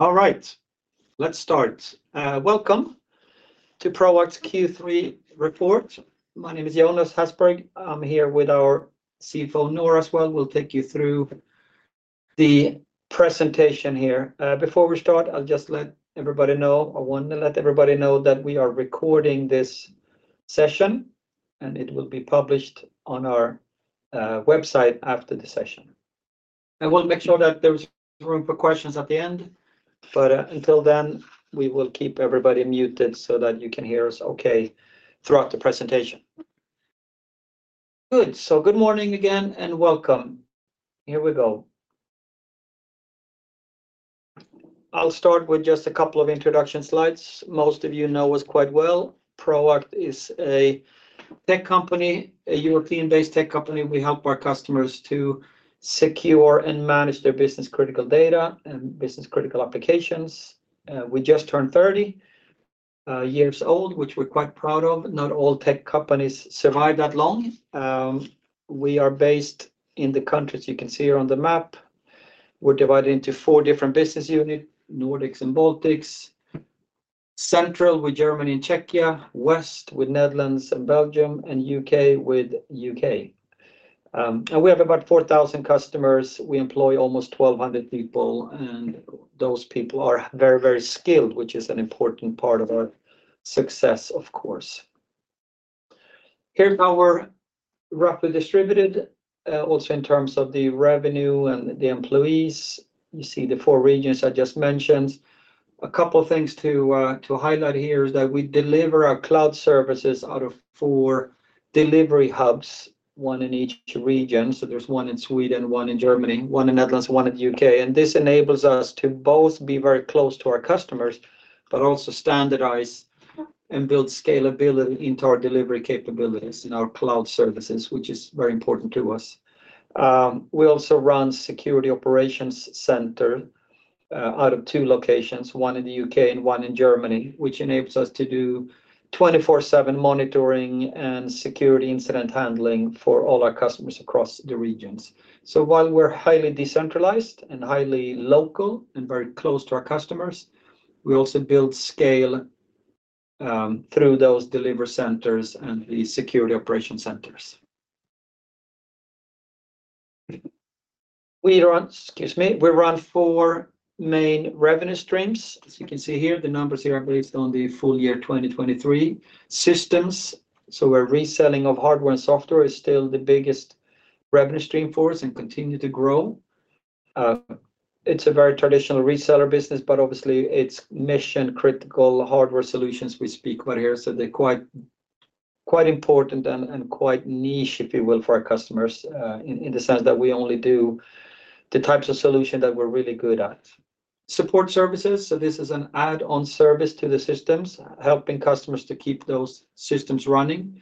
All right, let's start. Welcome to Proact's Q3 report. My name is Jonas Hasselberg. I'm here with our CFO, Noora, as well. We'll take you through the presentation here. Before we start, I'll just let everybody know that we are recording this session, and it will be published on our website after the session, and we'll make sure that there's room for questions at the end, but until then, we will keep everybody muted so that you can hear us okay throughout the presentation. Good. So good morning again, and welcome. Here we go. I'll start with just a couple of introduction slides. Most of you know us quite well. Proact is a tech company, a European-based tech company. We help our customers to secure and manage their business-critical data and business-critical applications. We just turned 30 years old, which we're quite proud of. Not all tech companies survive that long. We are based in the countries you can see here on the map. We're divided into four different business unit, Nordics and Baltics, Central with Germany and Czechia, West with Netherlands and Belgium, and U.K with U.K. And we have about 4,000 customers. We employ almost 1,200 people, and those people are very, very skilled, which is an important part of our success, of course. Here's how we're roughly distributed, also in terms of the revenue and the employees. You see the four regions I just mentioned. A couple of things to highlight here is that we deliver our cloud services out of four delivery hubs, one in each region. So there's one in Sweden, one in Germany, one in Netherlands, one in the U.K., and this enables us to both be very close to our customers, but also standardize and build scalability into our delivery capabilities in our cloud services, which is very important to us. We also run Security Operations Center out of two locations, one in the U.K. and one in Germany, which enables us to do 24/7 monitoring and security incident handling for all our customers across the regions. So while we're highly decentralized and highly local and very close to our customers, we also build scale through those delivery centers and the security operations centers. We run four main revenue streams. As you can see here, the numbers here are based on the full year 2020/2023. Systems, so we're reselling of hardware and software is still the biggest revenue stream for us and continue to grow. It's a very traditional reseller business, but obviously, it's mission-critical hardware solutions we speak about here, so they're quite important and quite niche, if you will, for our customers, in the sense that we only do the types of solution that we're really good at. Support Services, so this is an add-on service to the systems, helping customers to keep those systems running.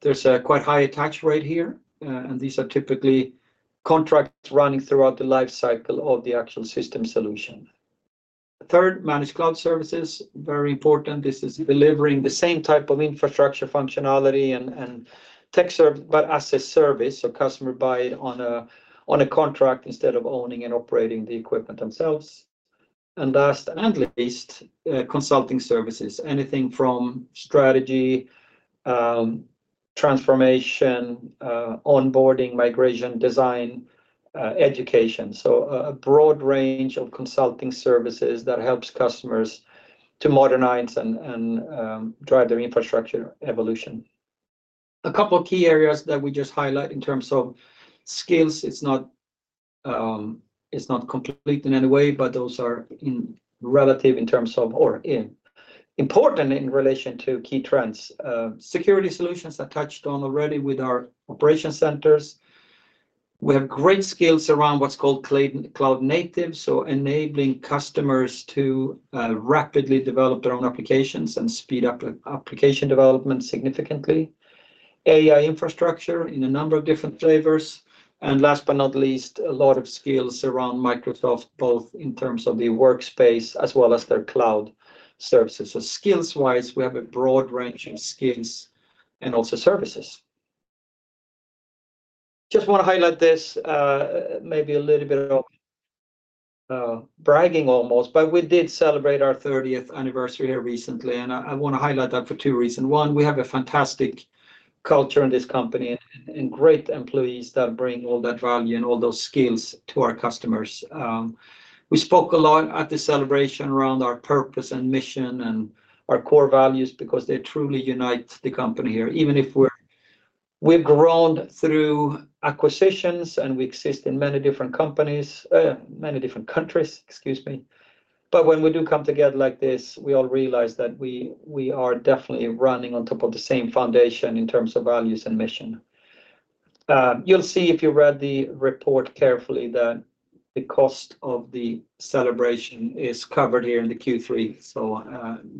There's a quite high attach rate here, and these are typically contracts running throughout the life cycle of the actual system solution. Third, Managed Cloud Services, very important. This is delivering the same type of infrastructure functionality and tech services, but as a service, so customers buy it on a contract instead of owning and operating the equipment themselves. And last but not least, Consulting Services, anything from strategy, transformation, onboarding, migration, design, education, so a broad range of Consulting Services that helps customers to modernize and drive their infrastructure evolution. A couple of key areas that we just highlight in terms of skills. It's not complete in any way, but those are relatively important in relation to key trends. Security solutions are touched on already with our operations centers. We have great skills around what's called cloud native, so enabling customers to rapidly develop their own applications and speed up application development significantly. AI infrastructure in a number of different flavors, and last but not least, a lot of skills around Microsoft, both in terms of the workspace as well as their cloud services. So skills-wise, we have a broad range of skills and also services. Just want to highlight this, maybe a little bit of bragging almost, but we did celebrate our 30th anniversary here recently, and I want to highlight that for two reasons. One, we have a fantastic culture in this company and great employees that bring all that value and all those skills to our customers. We spoke a lot at the celebration around our purpose and mission and our core values because they truly unite the company here, even if we're... We've grown through acquisitions, and we exist in many different companies, many different countries, excuse me. But when we do come together like this, we all realize that we are definitely running on top of the same foundation in terms of values and mission. You'll see if you read the report carefully that the cost of the celebration is covered here in the Q3, so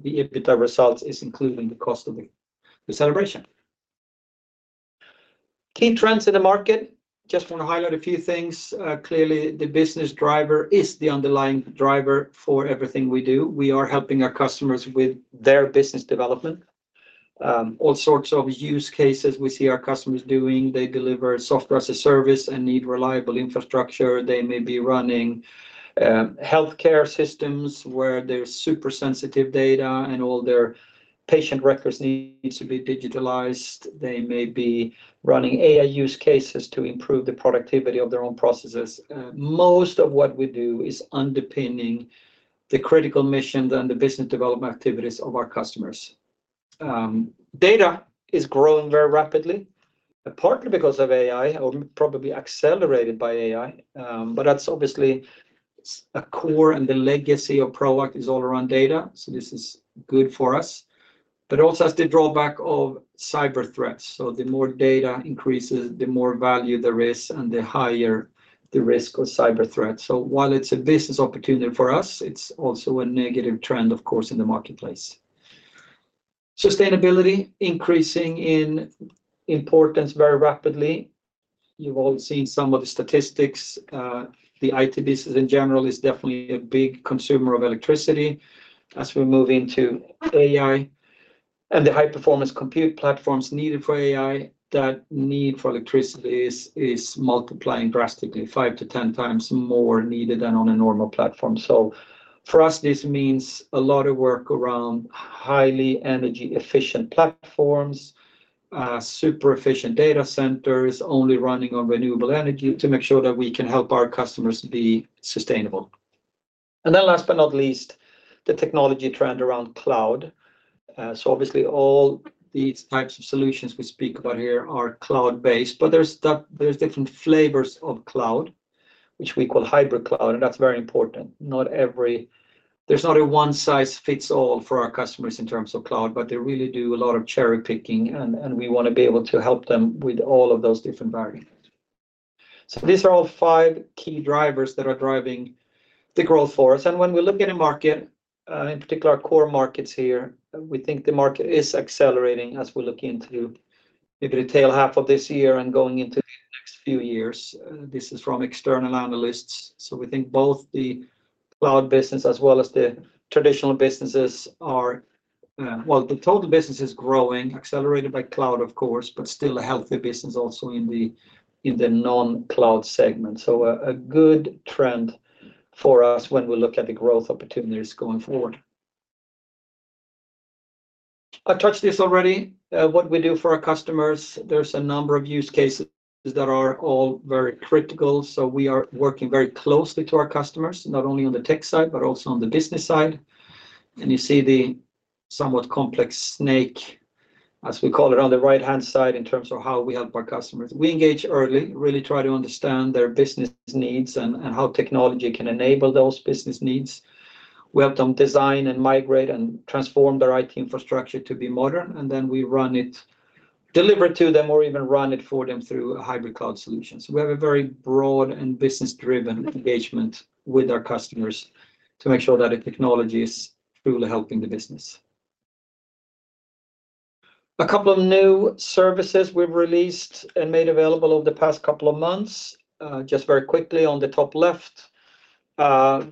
the EBITDA results is including the cost of the celebration. Key trends in the market, just want to highlight a few things. Clearly, the business driver is the underlying driver for everything we do. We are helping our customers with their business development. All sorts of use cases we see our customers doing. They deliver software as a service and need reliable infrastructure. They may be running healthcare systems, where there's super sensitive data, and all their patient records need to be digitalized. They may be running AI use cases to improve the productivity of their own processes. Most of what we do is underpinning the critical missions and the business development activities of our customers. Data is growing very rapidly, partly because of AI, or probably accelerated by AI, but that's obviously a core, and the legacy of Proact is all around data, so this is good for us, but also has the drawback of cyber threats. So the more data increases, the more value there is and the higher the risk of cyber threats. So while it's a business opportunity for us, it's also a negative trend, of course, in the marketplace. Sustainability increasing in importance very rapidly. You've all seen some of the statistics. The IT business in general is definitely a big consumer of electricity. As we move into AI and the high-performance compute platforms needed for AI, that need for electricity is multiplying drastically, five - 10 times more needed than on a normal platform. So for us, this means a lot of work around highly energy-efficient platforms, super-efficient data centers only running on renewable energy to make sure that we can help our customers be sustainable. And then last but not least, the technology trend around cloud. So obviously, all these types of solutions we speak about here are cloud-based, but there's different flavors of cloud, which we call hybrid cloud, and that's very important. There's not a one-size-fits-all for our customers in terms of cloud, but they really do a lot of cherry-picking, and we wanna be able to help them with all of those different variants. These are all five key drivers that are driving the growth for us. When we look at a market, in particular, our core markets here, we think the market is accelerating as we look into the latter half of this year and going into the next few years. This is from external analysts. We think both the cloud business as well as the traditional businesses are. Well, the total business is growing, accelerated by cloud, of course, but still a healthy business also in the non-cloud segment. A good trend for us when we look at the growth opportunities going forward. I've touched this already, what we do for our customers, there's a number of use cases that are all very critical. So we are working very closely to our customers, not only on the tech side, but also on the business side. And you see the somewhat complex snake, as we call it, on the right-hand side, in terms of how we help our customers. We engage early, really try to understand their business needs and how technology can enable those business needs. We help them design and migrate and transform their IT infrastructure to be modern, and then we run it, deliver it to them, or even run it for them through a hybrid cloud solution. So we have a very broad and business-driven engagement with our customers to make sure that the technology is truly helping the business. A couple of new services we've released and made available over the past couple of months, just very quickly on the top left,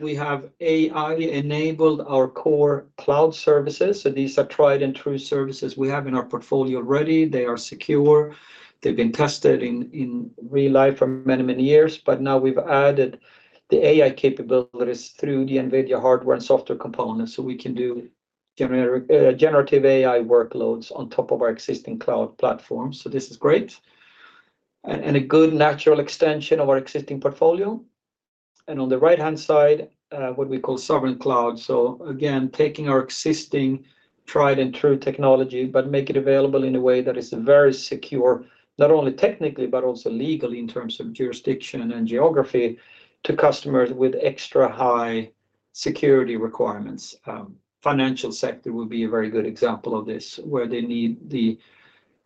we have AI-enabled our core cloud services. So these are tried-and-true services we have in our portfolio already. They are secure. They've been tested in real life for many, many years, but now we've added the AI capabilities through the NVIDIA hardware and software components, so we can do generative AI workloads on top of our existing cloud platform. So this is great and, and a good natural extension of our existing portfolio. And on the right-hand side, what we call sovereign cloud. So again, taking our existing tried-and-true technology, but make it available in a way that is very secure, not only technically, but also legally, in terms of jurisdiction and geography, to customers with extra high security requirements. Financial sector would be a very good example of this, where they need the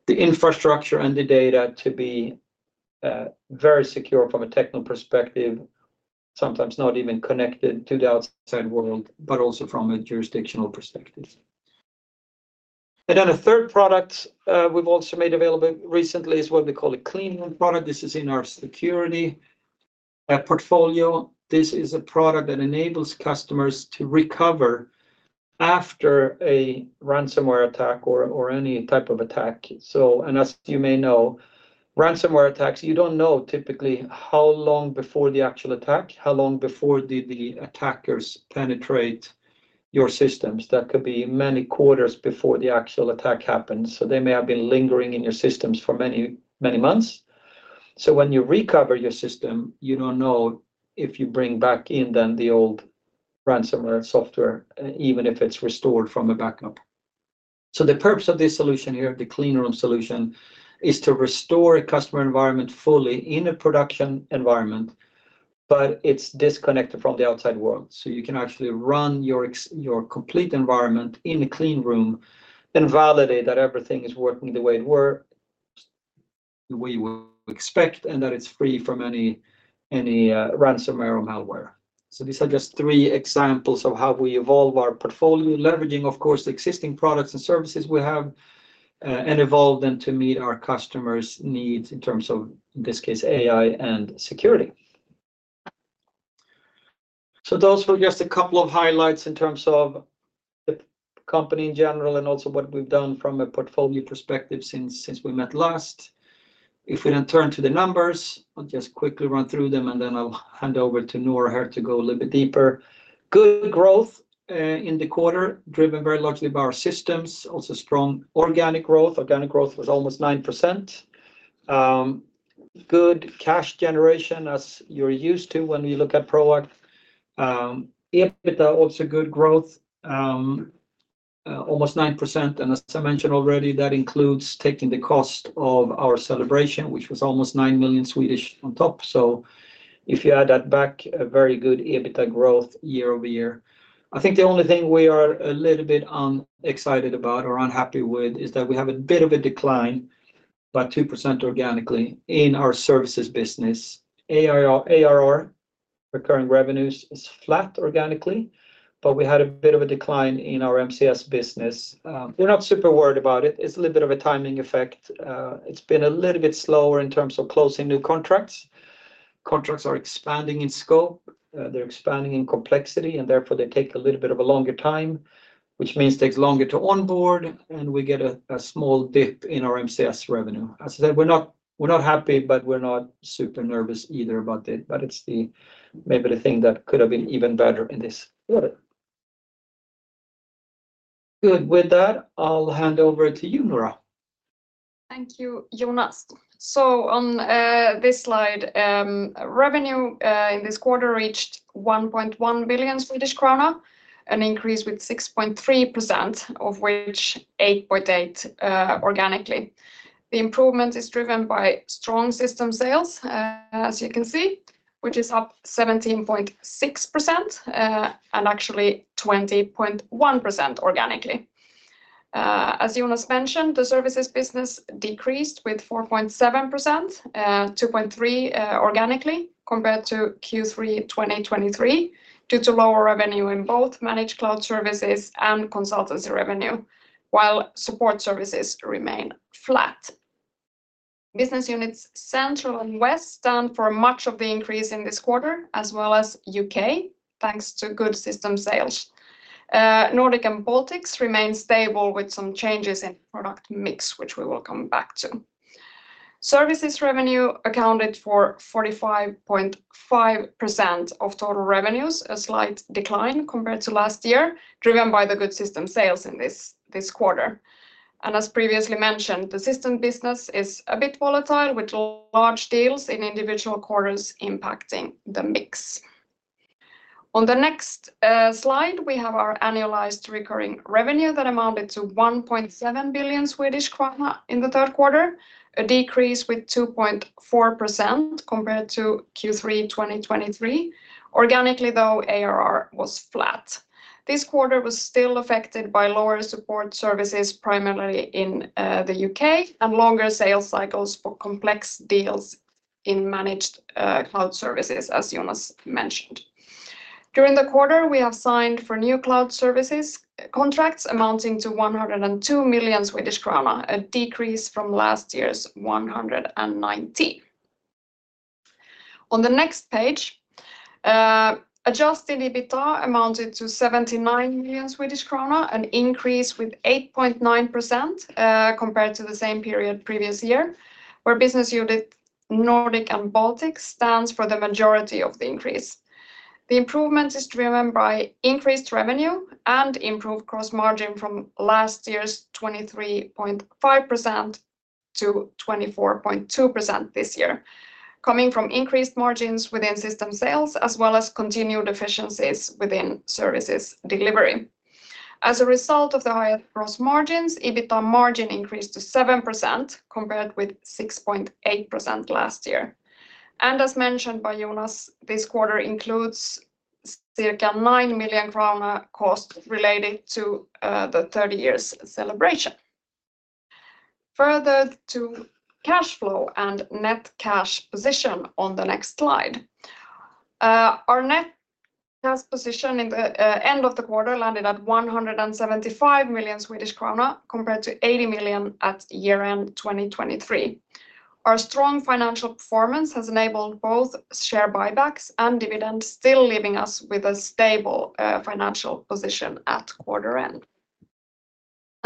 infrastructure and the data to be very secure from a technical perspective, sometimes not even connected to the outside world, but also from a jurisdictional perspective. Then a third product we've also made available recently is what we call a Cleanroom product. This is in our security portfolio. This is a product that enables customers to recover after a ransomware attack or any type of attack. As you may know, ransomware attacks, you don't know typically how long before the actual attack, how long before the attackers penetrate your systems. That could be many quarters before the actual attack happens. They may have been lingering in your systems for many, many months. So when you recover your system, you don't know if you bring back in then the old ransomware software, even if it's restored from a backup. So the purpose of this solution here, the clean room solution, is to restore a customer environment fully in a production environment, but it's disconnected from the outside world. So you can actually run your complete environment in a clean room, then validate that everything is working the way it were, we would expect, and that it's free from any ransomware or malware. So these are just three examples of how we evolve our portfolio, leveraging, of course, the existing products and services we have, and evolve them to meet our customers' needs in terms of, in this case, AI and security. So those were just a couple of highlights in terms of the company in general, and also what we've done from a portfolio perspective since we met last. If we then turn to the numbers, I'll just quickly run through them, and then I'll hand over to Noora here to go a little bit deeper. Good growth in the quarter, driven very largely by our systems. Also strong organic growth. Organic growth was almost 9%. Good cash generation, as you're used to when we look at Proact. EBITDA, also good growth, almost 9%, and as I mentioned already, that includes taking the cost of our celebration, which was almost 9 million on top. So if you add that back, a very good EBITDA growth year over year. I think the only thing we are a little bit unexcited about or unhappy with is that we have a bit of a decline, about 2% organically, in our services business. ARR, recurring revenues is flat organically, but we had a bit of a decline in our MCS business. We're not super worried about it. It's a little bit of a timing effect. It's been a little bit slower in terms of closing new contracts. Contracts are expanding in scope, they're expanding in complexity, and therefore, they take a little bit of a longer time, which means takes longer to onboard, and we get a small dip in our MCS revenue. As I said, we're not, we're not happy, but we're not super nervous either about it, but it's maybe the thing that could have been even better in this quarter. Good. With that, I'll hand over to you, Noora. Thank you, Jonas. So on this slide, revenue in this quarter reached 1.1 billion Swedish krona, an increase with 6.3%, of which 8.8% organically. The improvement is driven by strong system sales, as you can see, which is up 17.6%, and actually 20.1% organically. As Jonas mentioned, the services business decreased with 4.7%, 2.3% organically, compared to Q3 2023, due to lower revenue in both Managed Cloud Services and consultancy revenue, while Support Services remain flat. Business units Central and West stand for much of the increase in this quarter, as well as U.K, thanks to good system sales. Nordic and Baltics remain stable, with some changes in product mix, which we will come back to. Services revenue accounted for 45.5% of total revenues, a slight decline compared to last year, driven by the good system sales in this quarter, and as previously mentioned, the system business is a bit volatile, with large deals in individual quarters impacting the mix. On the next slide, we have our annualized recurring revenue that amounted to 1.7 billion Swedish kronor in the third quarter, a decrease with 2.4% compared to Q3 2023. Organically, though, ARR was flat. This quarter was still affected by lower Support Services, primarily in the U.K., and longer sales cycles for complex deals in managed cloud services, as Jonas mentioned. During the quarter, we have signed for new cloud services contracts amounting to 102 million Swedish krona, a decrease from last year's 119. On the next page, adjusted EBITDA amounted to 79 million Swedish krona, an increase with 8.9%, compared to the same period previous year, where Business Unit Nordics and Baltics stands for the majority of the increase. The improvement is driven by increased revenue and improved gross margin from last year's 23.5% to 24.2% this year, coming from increased margins within system sales, as well as continued efficiencies within services delivery. As a result of the higher gross margins, EBITDA margin increased to 7%, compared with 6.8% last year. And as mentioned by Jonas, this quarter includes circa 9 million kronor cost related to the 30 years celebration. Further to cash flow and net cash position on the next slide. Our net cash position in the end of the quarter landed at 175 million Swedish krona, compared to 80 million at year-end 2023. Our strong financial performance has enabled both share buybacks and dividends, still leaving us with a stable financial position at quarter end.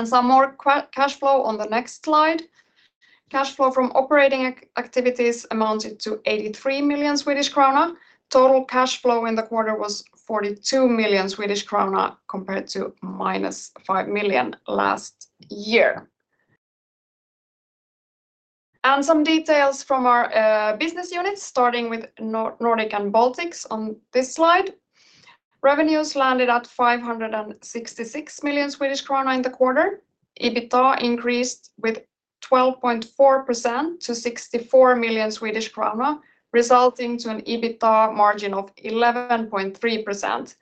Some more cash flow on the next slide. Cash flow from operating activities amounted to 83 million Swedish krona. Total cash flow in the quarter was 42 million Swedish krona, compared to 5 million last year. Some details from our business units, starting with Nordics and Baltics on this slide. Revenues landed at 566 million Swedish krona in the quarter. EBITDA increased with 12.4% to 64 million Swedish krona, resulting to an EBITDA margin of 11.3%,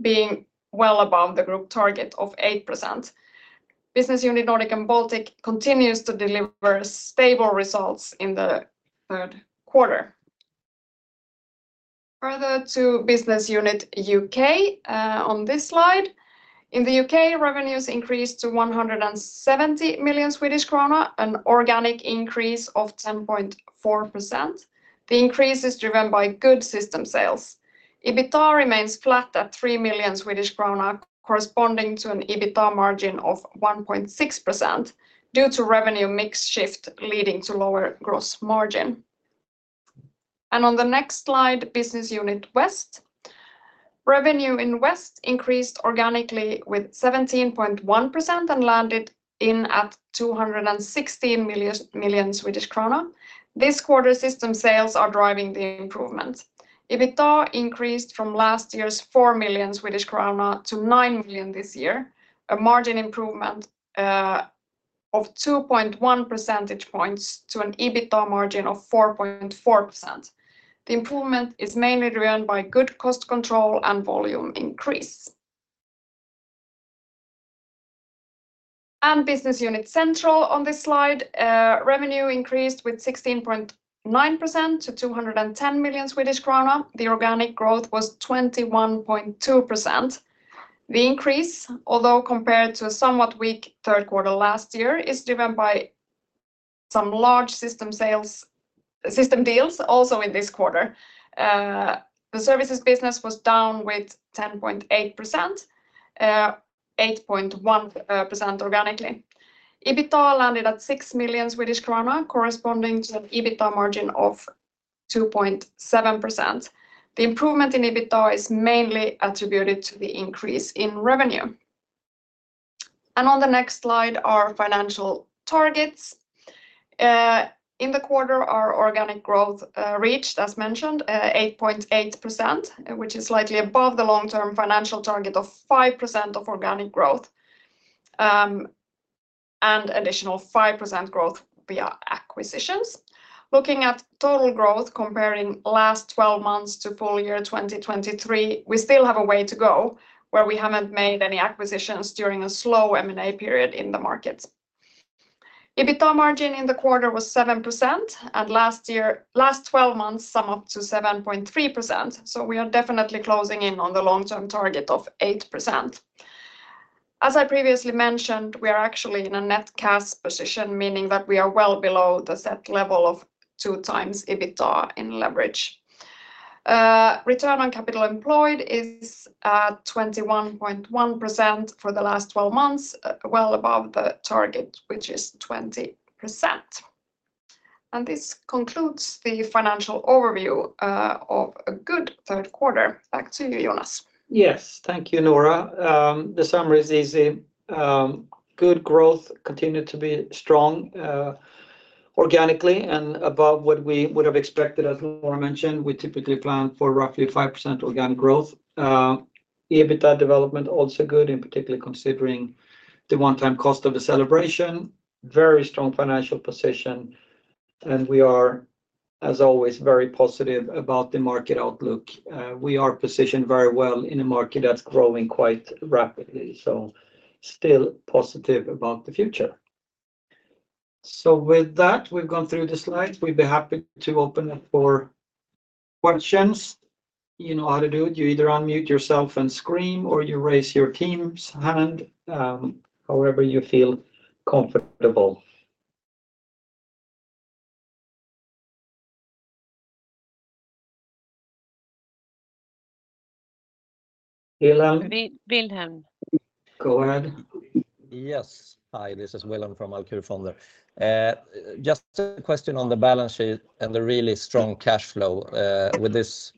being well above the group target of 8%. Business unit Nordic and Baltic continues to deliver stable results in the third quarter. Further to business unit U.K, on this slide, in the U.K, revenues increased to 170 million Swedish krona, an organic increase of 10.4%. The increase is driven by good system sales. EBITDA remains flat at 3 million Swedish krona, corresponding to an EBITDA margin of 1.6% due to revenue mix shift leading to lower gross margin. On the next slide, business unit West. Revenue in West increased organically with 17.1% and landed in at 216 million Swedish krona. This quarter, system sales are driving the improvement. EBITDA increased from last year's 4 million Swedish krona to 9 million this year, a margin improvement of 2.1 % points to an EBITDA margin of 4.4%. The improvement is mainly driven by good cost control and volume increase. Business unit Central on this slide, revenue increased with 16.9% to 210 million Swedish krona. The organic growth was 21.2%. The increase, although compared to a somewhat weak third quarter last year, is driven by some large system sales, system deals also in this quarter. The services business was down with 10.8%, 8.1% organically. EBITDA landed at 6 million Swedish krona, corresponding to an EBITDA margin of 2.7%. The improvement in EBITDA is mainly attributed to the increase in revenue. On the next slide, our financial targets. In the quarter, our organic growth reached, as mentioned, 8.8%, which is slightly above the long-term financial target of 5% of organic growth, and additional 5% growth via acquisitions. Looking at total growth, comparing last twelve months to full year 2023, we still have a way to go, where we haven't made any acquisitions during a slow M&A period in the market. EBITDA margin in the quarter was 7%, and last year, last twelve months, sum up to 7.3%, so we are definitely closing in on the long-term target of 8%. As I previously mentioned, we are actually in a net cash position, meaning that we are well below the set level of two times EBITDA in leverage. Return on capital employed is at 21.1% for the last 12 months, well above the target, which is 20%. And this concludes the financial overview of a good third quarter. Back to you, Jonas. Yes. Thank you, Noora. The summary is easy. Good growth continued to be strong, organically and above what we would have expected. As Noora mentioned, we typically plan for roughly 5% organic growth. EBITDA development also good, in particular considering the one-time cost of the celebration. Very strong financial position, and we are, as always, very positive about the market outlook. We are positioned very well in a market that's growing quite rapidly, so still positive about the future. So with that, we've gone through the slides. We'd be happy to open up for questions. You know how to do it. You either unmute yourself and scream, or you raise your team's hand, however you feel comfortable. Wilhelm? Wi- Wilhelm. Go ahead. Yes. Hi, this is Wilhelm from Alcur Fonder. Just a question on the balance sheet and the really strong cash flow. With this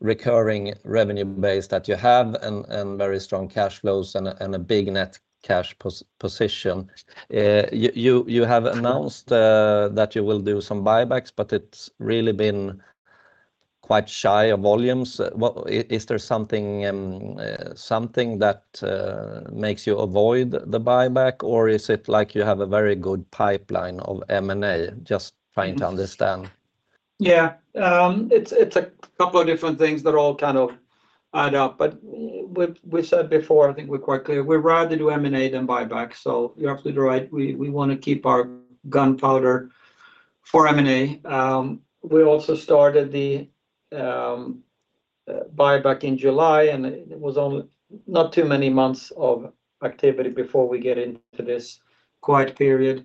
recurring revenue base that you have and, and very strong cash flows and a, and a big net cash position, you have announced that you will do some buybacks, but it's really been quite shy of volumes. Is there something that makes you avoid the buyback, or is it like you have a very good pipeline of M&A? Just trying to understand. Yeah. It's a couple of different things that all kind of add up, but we said before, I think we're quite clear, we'd rather do M&A than buyback, so you're absolutely right. We wanna keep our gunpowder for M&A. We also started the buyback in July, and it was only... not too many months of activity before we get into this quiet period.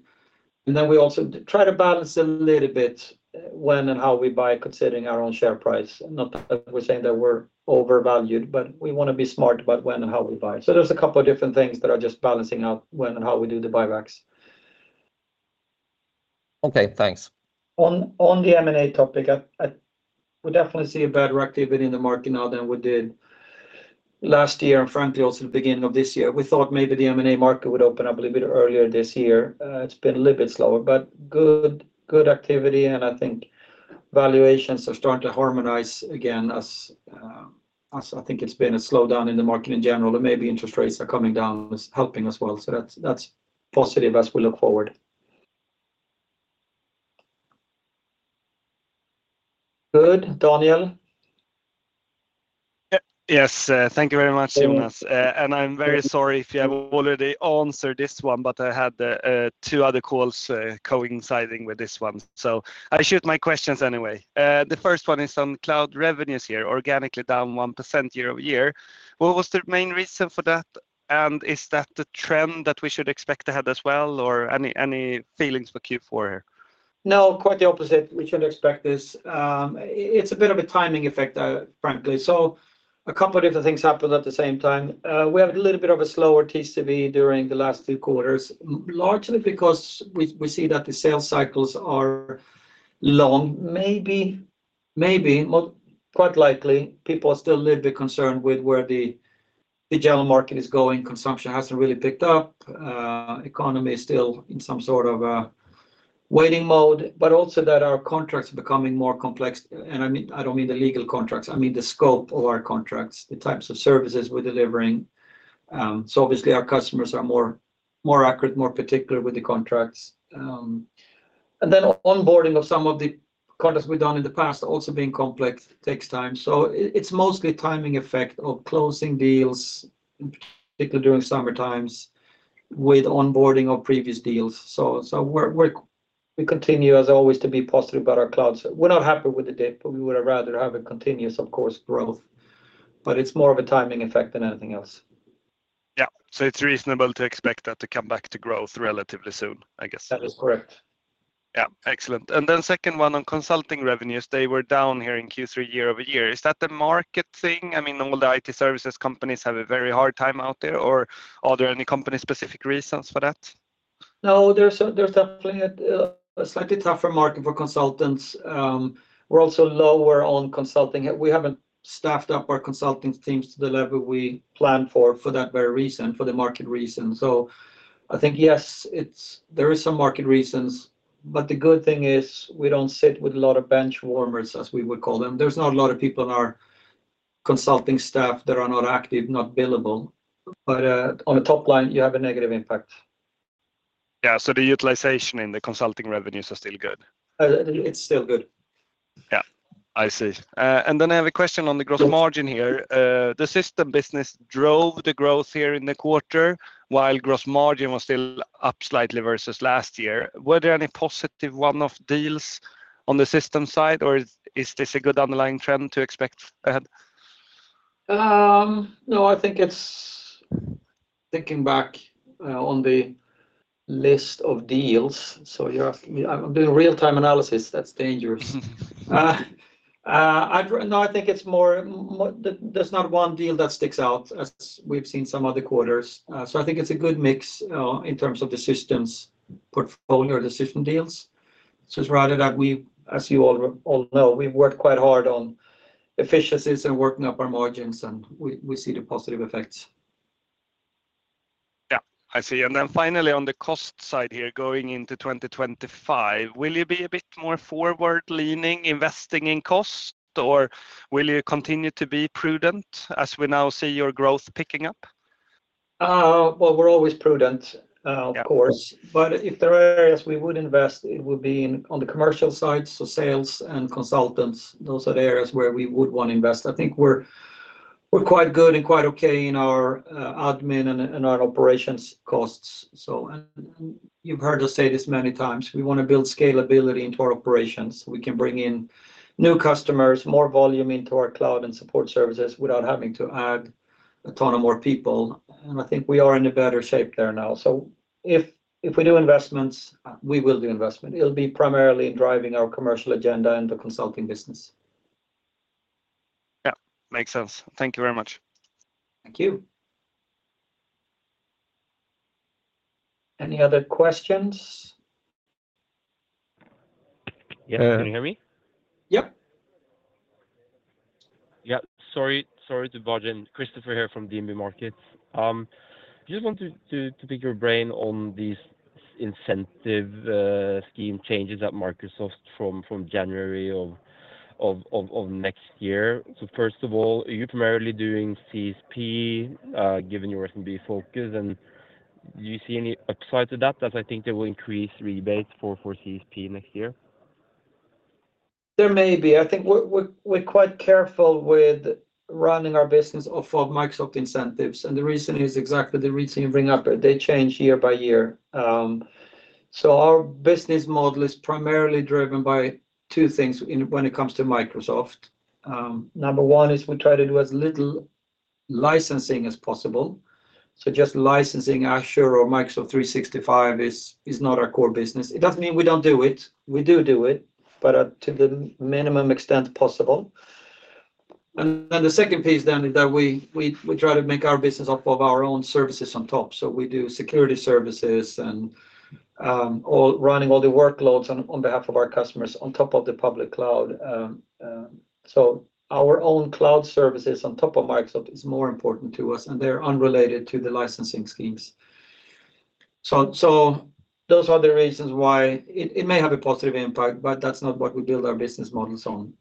And then we also try to balance a little bit, when and how we buy, considering our own share price. Not that we're saying that we're overvalued, but we wanna be smart about when and how we buy. So there's a couple of different things that are just balancing out when and how we do the buybacks. Okay, thanks. On the M&A topic, we definitely see a better activity in the market now than we did last year, and frankly, also the beginning of this year. We thought maybe the M&A market would open up a little bit earlier this year. It's been a little bit slower, but good activity, and I think valuations are starting to harmonize again as I think it's been a slowdown in the market in general, and maybe interest rates are coming down, is helping as well. So that's positive as we look forward. Good. Daniel?... Yep. Yes, thank you very much, Jonas, and I'm very sorry if you have already answered this one, but I had two other calls coinciding with this one, so I shoot my questions anyway. The first one is on cloud revenues here, organically down 1% year-over-year. What was the main reason for that? And is that the trend that we should expect to have as well, or any feelings for Q4? No, quite the opposite. We shouldn't expect this. It's a bit of a timing effect, frankly. So a couple of different things happened at the same time. We have a little bit of a slower TCV during the last two quarters, largely because we see that the sales cycles are long, maybe not quite likely, people are still a little bit concerned with where the general market is going. Consumption hasn't really picked up. Economy is still in some sort of a waiting mode, but also that our contracts are becoming more complex, and I mean, I don't mean the legal contracts, I mean the scope of our contracts, the types of services we're delivering, so obviously, our customers are more accurate, more particular with the contracts. And then onboarding of some of the contracts we've done in the past, also being complex, takes time. So it's mostly timing effect of closing deals, particularly during summer times with onboarding of previous deals. So, we're, we continue, as always, to be positive about our clouds. We're not happy with the dip, but we would rather have a continuous, of course, growth. But it's more of a timing effect than anything else. Yeah. So it's reasonable to expect that to come back to growth relatively soon, I guess? That is correct. Yeah. Excellent. And then second one on consulting revenues. They were down here in Q3, year-over-year. Is that the market thing? I mean, all the IT services companies have a very hard time out there, or are there any company-specific reasons for that? No, there's definitely a slightly tougher market for consultants. We're also lower on consulting. We haven't staffed up our consulting teams to the level we planned for, for that very reason, for the market reason. So I think, yes, there is some market reasons, but the good thing is we don't sit with a lot of bench warmers, as we would call them. There's not a lot of people in our consulting staff that are not active, not billable, but on the top line, you have a negative impact. Yeah, so the utilization in the consulting revenues are still good? It's still good. Yeah, I see, and then I have a question on the gross margin here. Yeah. The system business drove the growth here in the quarter, while gross margin was still up slightly versus last year. Were there any positive one-off deals on the system side, or is this a good underlying trend to expect ahead? No, I think it's... Thinking back on the list of deals, so you're asking me, I'm doing real-time analysis. That's dangerous. No, I think it's more, there's not one deal that sticks out as we've seen some other quarters. So I think it's a good mix in terms of the systems portfolio or the system deals. So it's rather that we, as you all know, we've worked quite hard on efficiencies and working up our margins, and we see the positive effects. Yeah, I see. And then finally, on the cost side here, going into 2025, will you be a bit more forward-leaning, investing in cost, or will you continue to be prudent as we now see your growth picking up? Well, we're always prudent. Yeah... of course, but if there are areas we would invest, it would be in, on the commercial side, so sales and consultants. Those are the areas where we would want to invest. I think we're quite good and quite okay in our admin and our operations costs. So, and you've heard us say this many times, we wanna build scalability into our operations. We can bring in new customers, more volume into our cloud and Support Services without having to add a ton of more people, and I think we are in a better shape there now. So if we do investments, we will do investment. It'll be primarily driving our commercial agenda and the consulting business. Yeah, makes sense. Thank you very much. Thank you. Any other questions? Yeah, can you hear me? Yep. Yeah, sorry, sorry to barge in. Christopher here from DNB Markets. Just wanted to pick your brain on these incentive scheme changes at Microsoft from January of next year. So first of all, are you primarily doing CSP, given your SMB focus, and do you see any upside to that, as I think they will increase rebates for CSP next year? There may be. I think we're quite careful with running our business off of Microsoft incentives, and the reason is exactly the reason you bring up. They change year by year. So our business model is primarily driven by two things in, when it comes to Microsoft. Number one is we try to do as little licensing as possible. So just licensing Azure or Microsoft 365 is not our core business. It doesn't mean we don't do it. We do do it, but to the minimum extent possible. And then the second piece then is that we try to make our business off of our own services on top. So we do security services and running all the workloads on behalf of our customers, on top of the public cloud. So our own cloud services on top of Microsoft is more important to us, and they're unrelated to the licensing schemes. So those are the reasons why it may have a positive impact, but that's not what we build our business models on,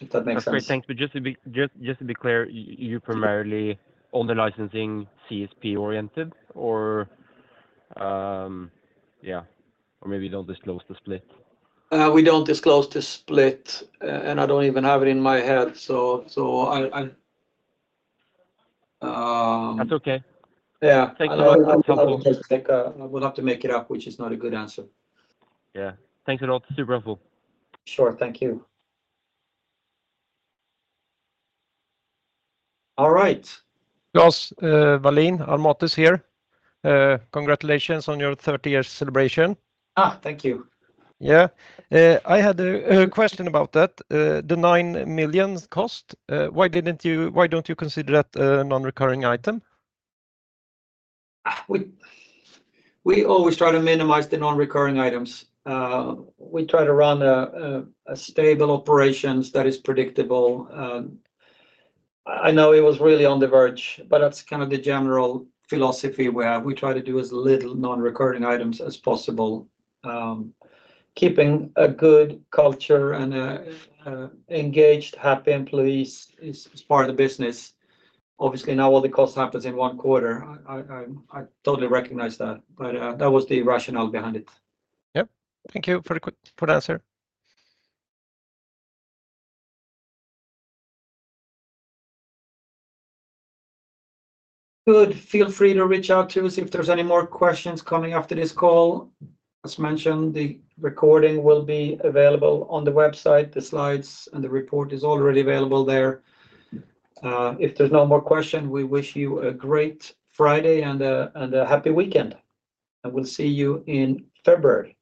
if that makes sense. That's great. Thank you. Just to be clear, you're primarily on the licensing CSP-oriented or ... Yeah, or maybe you don't disclose the split. We don't disclose the split, and I don't even have it in my head, so I That's okay. Yeah. Thank you very much. I will have to make it up, which is not a good answer. Yeah. Thanks a lot. Super helpful. Sure. Thank you. All right. Jonas Wallin, Almotas here. Congratulations on your 30-year celebration. Ah, thank you! Yeah. I had a question about that. The 9 million cost, why don't you consider that a non-recurring item? We always try to minimize the non-recurring items. We try to run a stable operations that is predictable. I know it was really on the verge, but that's kind of the general philosophy where we try to do as little non-recurring items as possible. Keeping a good culture and engaged, happy employees is part of the business. Obviously, not all the cost happens in one quarter. I totally recognize that, but that was the rationale behind it. Yep. Thank you for the quick answer. Good. Feel free to reach out to us if there's any more questions coming after this call. As mentioned, the recording will be available on the website. The slides and the report is already available there. If there's no more question, we wish you a great Friday and a happy weekend, and we'll see you in February.